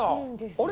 あれ？